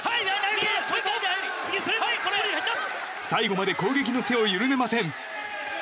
最後まで攻撃の手を緩めません。